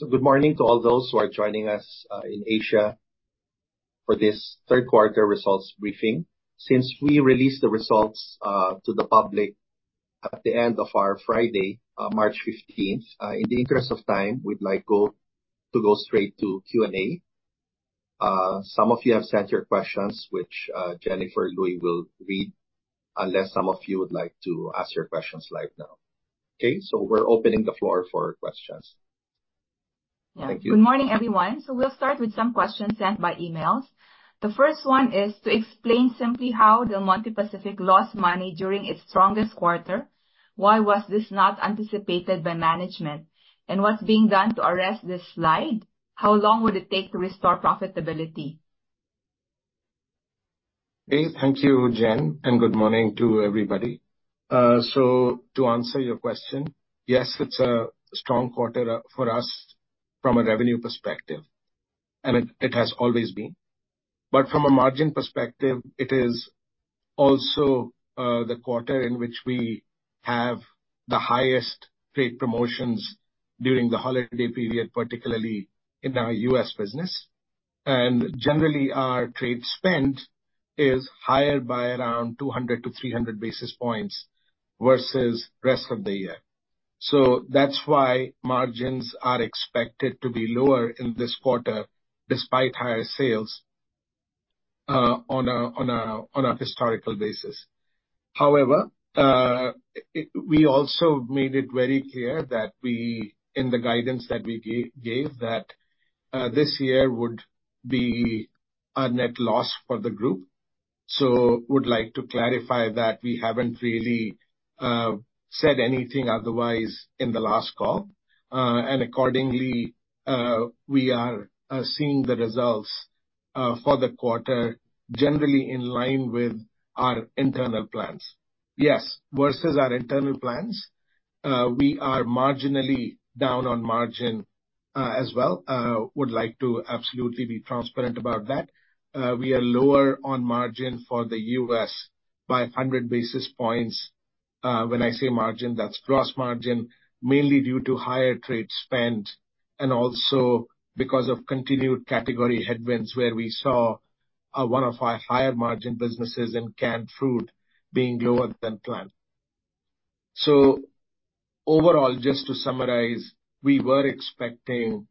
Good morning to all those who are joining us in Asia for this third-quarter results briefing. Since we released the results to the public at the end of our Friday, March 15th, in the interest of time, we'd like to go straight to Q&A. Some of you have sent your questions, which Jennifer Luy will read unless some of you would like to ask your questions live now. Okay, we're opening the floor for questions. Thank you. Good morning, everyone. We'll start with some questions sent by emails. The first one is to explain simply how Del Monte Pacific lost money during its strongest quarter. Why was this not anticipated by management? And what's being done to arrest this slide? How long would it take to restore profitability? Okay, thank you, Jen, and good morning to everybody. So to answer your question, yes, it's a strong quarter for us from a revenue perspective, and it has always been. But from a margin perspective, it is also the quarter in which we have the highest trade promotions during the holiday period, particularly in our U.S. business. And generally, our trade spend is higher by around 200-300 basis points versus the rest of the year. So that's why margins are expected to be lower in this quarter despite higher sales on a historical basis. However, we also made it very clear in the guidance that we gave that this year would be a net loss for the group. So we'd like to clarify that we haven't really said anything otherwise in the last call. Accordingly, we are seeing the results for the quarter generally in line with our internal plans. Yes, versus our internal plans, we are marginally down on margin as well. We'd like to absolutely be transparent about that. We are lower on margin for the U.S. by 100 basis points. When I say margin, that's gross margin, mainly due to higher trade spend and also because of continued category headwinds where we saw one of our higher-margin businesses in canned fruit being lower than planned. So overall, just to summarize, we were expecting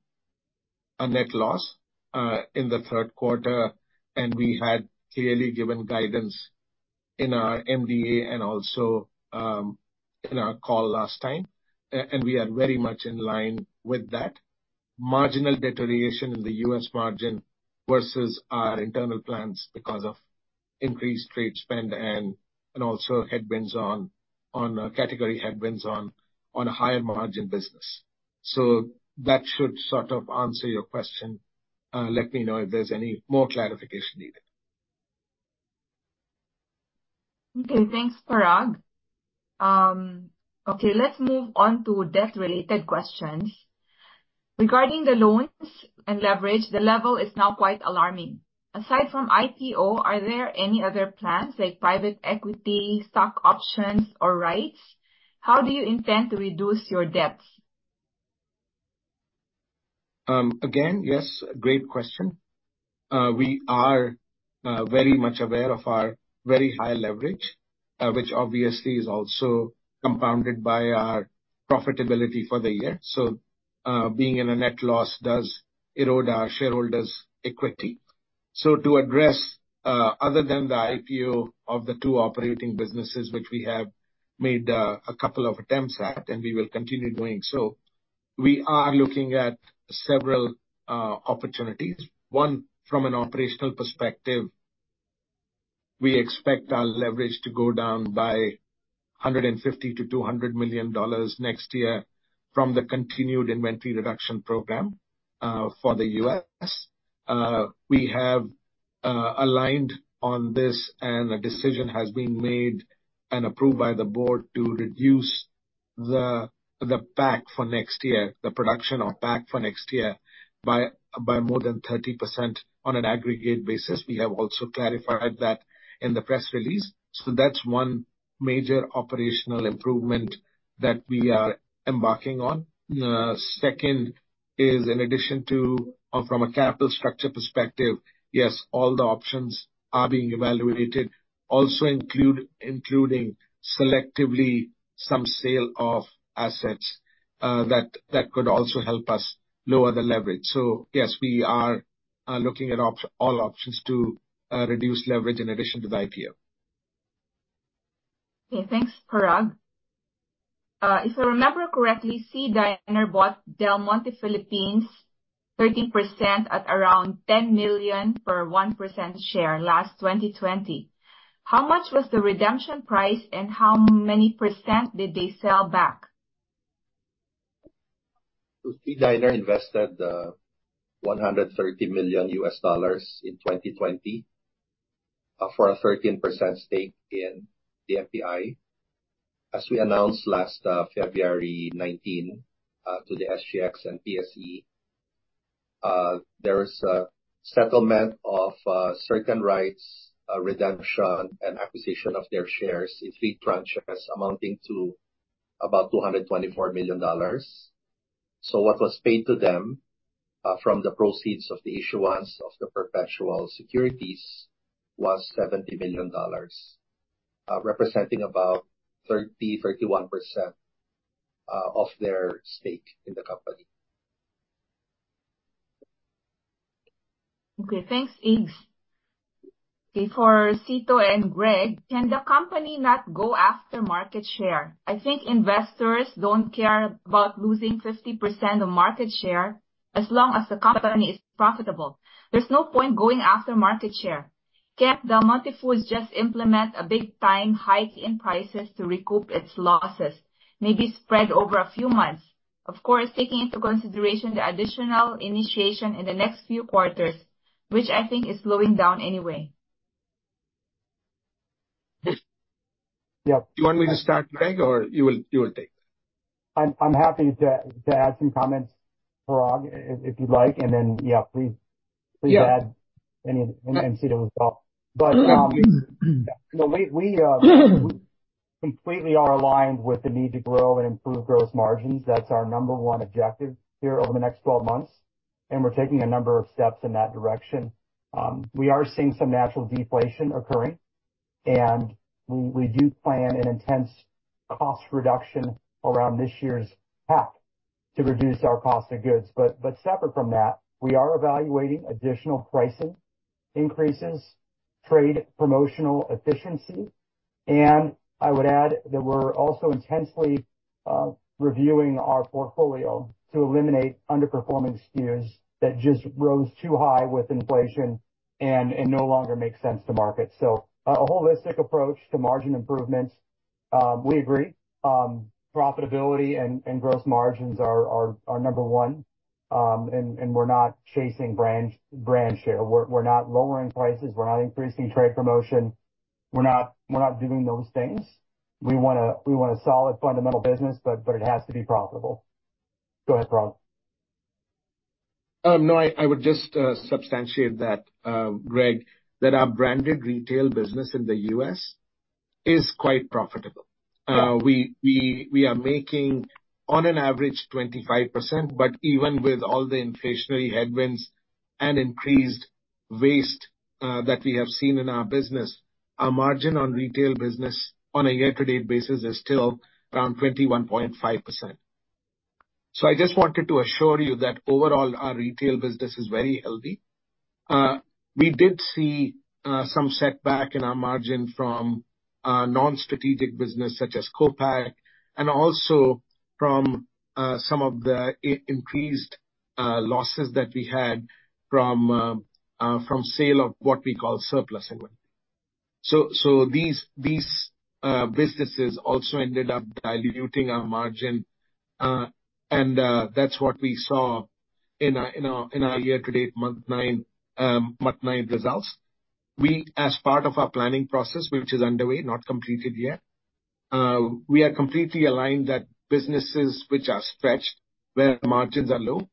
a net loss in the third quarter, and we had clearly given guidance in our MD&A and also in our call last time. We are very much in line with that marginal deterioration in the U.S. margin versus our internal plans because of increased trade spend and also category headwinds on a higher-margin business. That should sort of answer your question. Let me know if there's any more clarification needed. Okay, thanks, Parag. Okay, let's move on to debt-related questions. Regarding the loans and leverage, the level is now quite alarming. Aside from IPO, are there any other plans like private equity, stock options, or rights? How do you intend to reduce your debts? Again, yes, great question. We are very much aware of our very high leverage, which obviously is also compounded by our profitability for the year. So being in a net loss does erode our shareholders' equity. So to address, other than the IPO of the two operating businesses, which we have made a couple of attempts at and we will continue doing so, we are looking at several opportunities. One, from an operational perspective, we expect our leverage to go down by $150 million-$200 million next year from the continued inventory reduction program for the U.S. We have aligned on this, and a decision has been made and approved by the board to reduce the pack for next year, the production of pack for next year by more than 30% on an aggregate basis. We have also clarified that in the press release. So that's one major operational improvement that we are embarking on. Second is, in addition to from a capital structure perspective, yes, all the options are being evaluated, also including selectively some sale of assets that could also help us lower the leverage. So yes, we are looking at all options to reduce leverage in addition to the IPO. Okay, thanks, Parag. If I remember correctly, SEA Diner bought Del Monte Philippines 13% at around $10 million per 1% share last 2020. How much was the redemption price, and how many % did they sell back? SEA Diner invested $130 million in 2020 for a 13% stake in the DMPI. As we announced last February 19 to the SGX and PSE, there was a settlement of certain rights, redemption, and acquisition of their shares in three tranches amounting to about $224 million. So what was paid to them from the proceeds of the issuance of the perpetual securities was $70 million, representing about 30%-31% of their stake in the company. Okay, thanks, Igs. For Cito and Greg, can the company not go after market share? I think investors don't care about losing 50% of market share as long as the company is profitable. There's no point going after market share. Can't Del Monte Foods just implement a big-time hike in prices to recoup its losses, maybe spread over a few months, of course, taking into consideration the additional inflation in the next few quarters, which I think is slowing down anyway? Yep. Do you want me to start, Greg, or you will take that? I'm happy to add some comments, Parag, if you'd like. And then, yeah, please add anything Cito has thought. But no, we completely are aligned with the need to grow and improve gross margins. That's our number one objective here over the next 12 months. And we're taking a number of steps in that direction. We are seeing some natural deflation occurring. And we do plan an intense cost reduction around this year's pack to reduce our cost of goods. But separate from that, we are evaluating additional pricing increases, trade promotional efficiency. And I would add that we're also intensely reviewing our portfolio to eliminate underperforming SKUs that just rose too high with inflation and no longer make sense to market. So a holistic approach to margin improvements, we agree. Profitability and gross margins are number one. And we're not chasing brand share. We're not lowering prices. We're not increasing trade promotion. We're not doing those things. We want a solid fundamental business, but it has to be profitable. Go ahead, Parag. No, I would just substantiate that, Greg, that our branded retail business in the U.S. is quite profitable. We are making, on an average, 25%. But even with all the inflationary headwinds and increased waste that we have seen in our business, our margin on retail business on a year-to-date basis is still around 21.5%. So I just wanted to assure you that overall, our retail business is very healthy. We did see some setback in our margin from non-strategic business such as co-pack and also from some of the increased losses that we had from sale of what we call surplus inventory. So these businesses also ended up diluting our margin. And that's what we saw in our year-to-date month nine results. We, as part of our planning process, which is underway, not completed yet, we are completely aligned that businesses which are stretched, where margins are low,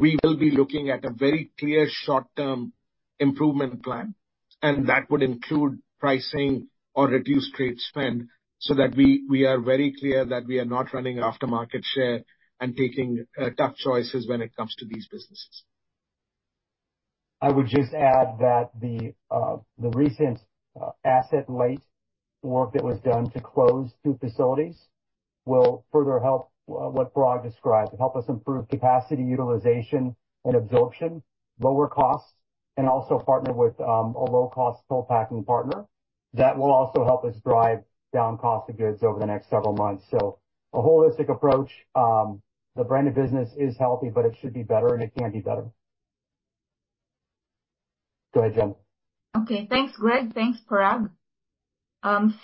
we will be looking at a very clear short-term improvement plan. That would include pricing or reduced trade spend so that we are very clear that we are not running after market share and taking tough choices when it comes to these businesses. I would just add that the recent asset-light work that was done to close two facilities will further help what Parag described, help us improve capacity utilization and absorption, lower costs, and also partner with a low-cost toll-packing partner. That will also help us drive down cost of goods over the next several months. So a holistic approach, the branded business is healthy, but it should be better, and it can be better. Go ahead, Jen. Okay, thanks, Greg. Thanks, Parag.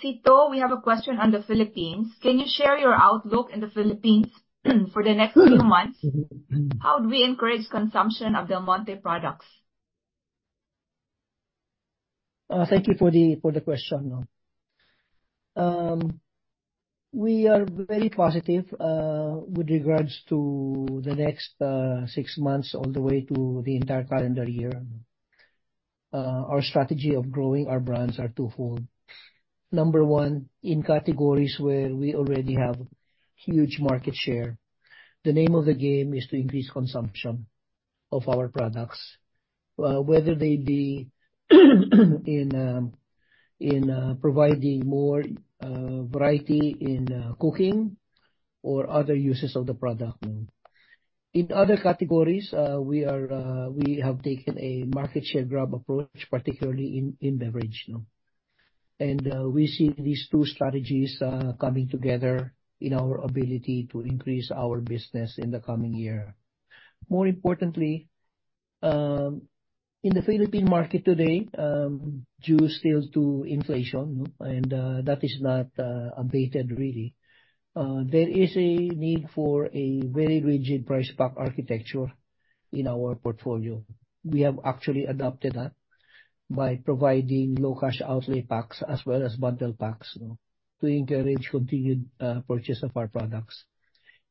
Cito, we have a question on the Philippines. Can you share your outlook in the Philippines for the next few months? How would we encourage consumption of Del Monte products? Thank you for the question. We are very positive with regards to the next six months all the way to the entire calendar year. Our strategy of growing our brands is twofold. Number one, in categories where we already have huge market share, the name of the game is to increase consumption of our products, whether they be in providing more variety in cooking or other uses of the product. In other categories, we have taken a market share grab approach, particularly in beverage. And we see these two strategies coming together in our ability to increase our business in the coming year. More importantly, in the Philippine market today, due still to inflation, and that is not abated, really, there is a need for a very rigid price pack architecture in our portfolio. We have actually adopted that by providing low-cash outlay packs as well as bundle packs to encourage continued purchase of our products.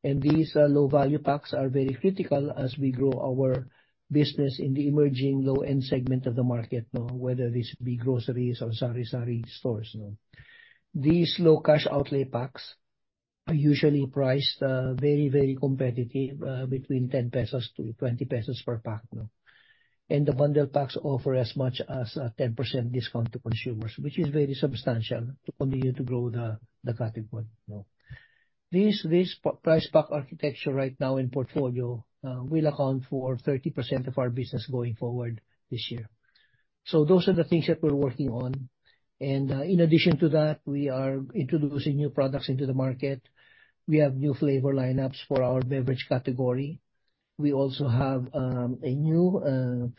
These low-value packs are very critical as we grow our business in the emerging low-end segment of the market, whether this be groceries or sari-sari stores. These low-cash outlay packs are usually priced very, very competitive, between 10-20 pesos per pack. The bundle packs offer as much as a 10% discount to consumers, which is very substantial to continue to grow the category. This price pack architecture right now in portfolio will account for 30% of our business going forward this year. Those are the things that we're working on. In addition to that, we are introducing new products into the market. We have new flavor lineups for our beverage category. We also have a new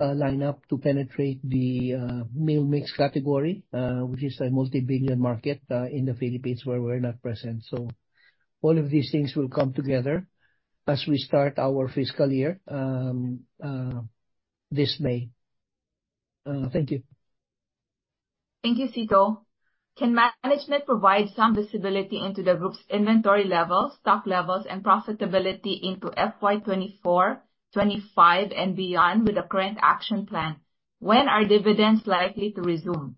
lineup to penetrate the meal mix category, which is a multi-billion market in the Philippines where we're not present. So all of these things will come together as we start our fiscal year this May. Thank you. Thank you, Cito. Can management provide some visibility into the group's inventory levels, stock levels, and profitability into FY2024, 2025, and beyond with a current action plan? When are dividends likely to resume?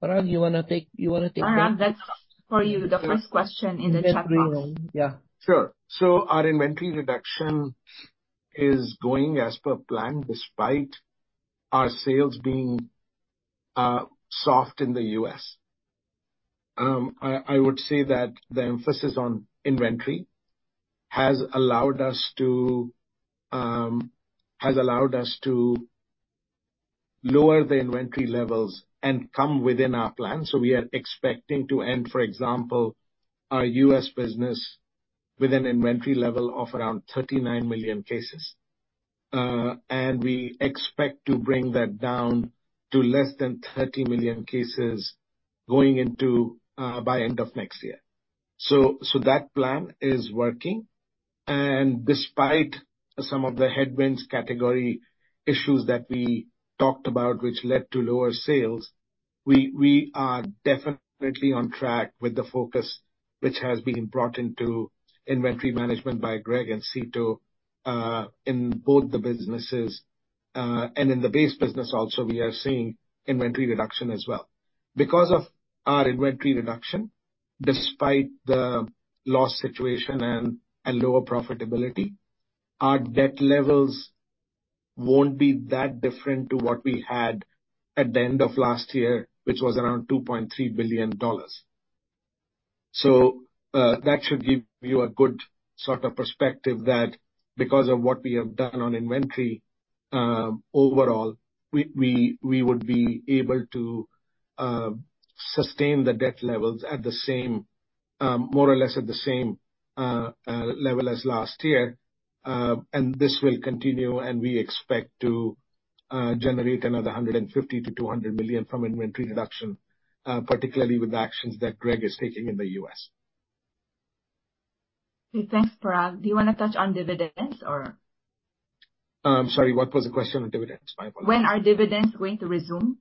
Parag, you want to take that? Parag, that's for you, the first question in the chat box. Yeah. Sure. So our inventory reduction is going as per plan despite our sales being soft in the U.S. I would say that the emphasis on inventory has allowed us to lower the inventory levels and come within our plan. So we are expecting to end, for example, our U.S. business with an inventory level of around 39 million cases. And we expect to bring that down to less than 30 million cases by end of next year. So that plan is working. And despite some of the headwinds category issues that we talked about, which led to lower sales, we are definitely on track with the focus which has been brought into inventory management by Greg and Cito in both the businesses. And in the base business also, we are seeing inventory reduction as well. Because of our inventory reduction, despite the loss situation and lower profitability, our debt levels won't be that different to what we had at the end of last year, which was around $2.3 billion. So that should give you a good sort of perspective that because of what we have done on inventory overall, we would be able to sustain the debt levels more or less at the same level as last year. And this will continue. And we expect to generate another $150 million-$200 million from inventory reduction, particularly with the actions that Greg is taking in the US. Okay, thanks, Parag. Do you want to touch on dividends, or? I'm sorry. What was the question on dividends, my apologies? When are dividends going to resume?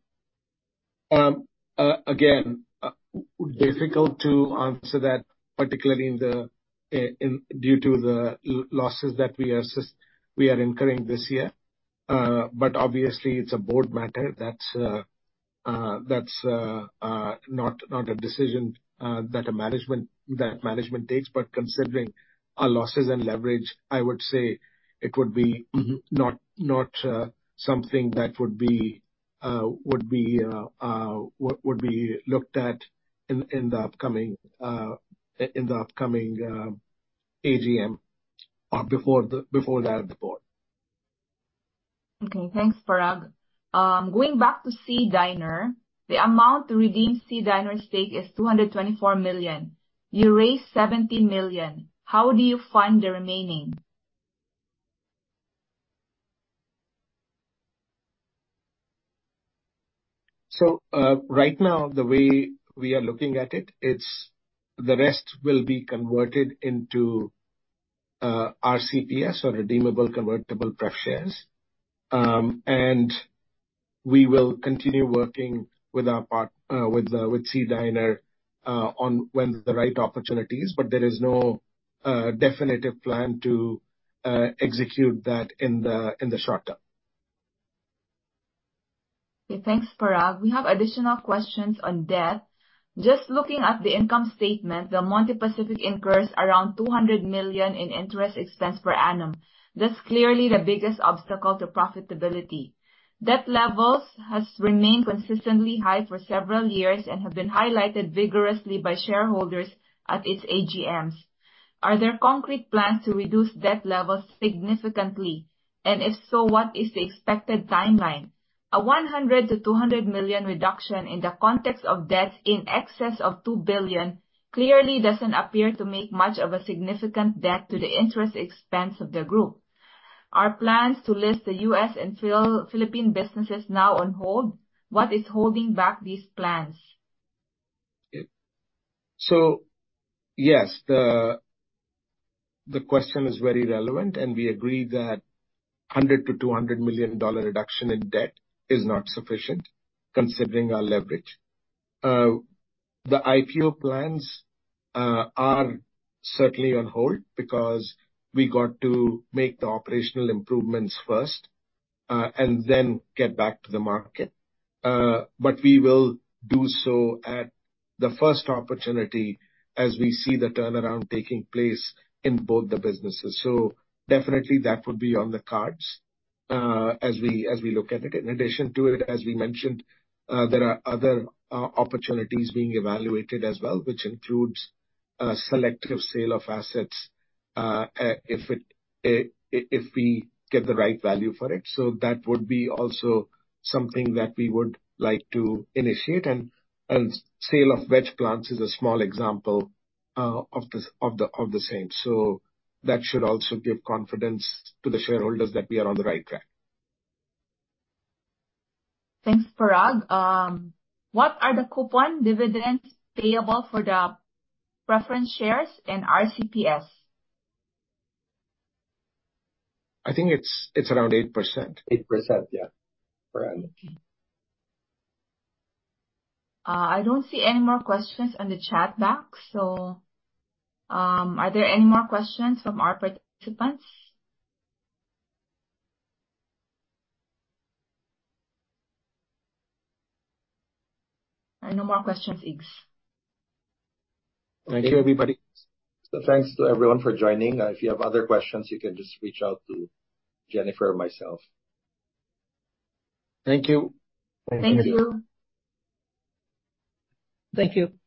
Again, difficult to answer that, particularly due to the losses that we are incurring this year. But obviously, it's a board matter. That's not a decision that management takes. But considering our losses and leverage, I would say it would be not something that would be looked at in the upcoming AGM or before that at the board. Okay, thanks, Parag. Going back to SEA Diner, the amount to redeem SEA Diner's stake is $224 million. You raised $70 million. How do you fund the remaining? So right now, the way we are looking at it, the rest will be converted into RCPS or redeemable convertible preference shares. And we will continue working with SEA Diner on when the right opportunity is. But there is no definitive plan to execute that in the short term. Okay, thanks, Parag. We have additional questions on debt. Just looking at the income statement, Del Monte Pacific incurs around $200 million in interest expense per annum. That's clearly the biggest obstacle to profitability. Debt levels have remained consistently high for several years and have been highlighted vigorously by shareholders at its AGMs. Are there concrete plans to reduce debt levels significantly? And if so, what is the expected timeline? A $100-$200 million reduction in the context of debt in excess of $2 billion clearly doesn't appear to make much of a significant dent to the interest expense of the group. Are plans to list the US and Philippine businesses now on hold? What is holding back these plans? So yes, the question is very relevant. We agree that $100 million-$200 million reduction in debt is not sufficient considering our leverage. The IPO plans are certainly on hold because we got to make the operational improvements first and then get back to the market. We will do so at the first opportunity as we see the turnaround taking place in both the businesses. Definitely, that would be on the cards as we look at it. In addition to it, as we mentioned, there are other opportunities being evaluated as well, which includes selective sale of assets if we get the right value for it. That would be also something that we would like to initiate. Sale of veg plants is a small example of the same. That should also give confidence to the shareholders that we are on the right track. Thanks, Parag. What are the coupon dividends payable for the preference shares and RCPS? I think it's around 8%. 8%, yeah, per annum. I don't see any more questions on the chat box. So are there any more questions from our participants? No more questions, Igs. Thank you, everybody. Thanks to everyone for joining. If you have other questions, you can just reach out to Jennifer or myself. Thank you. Thank you. Thank you.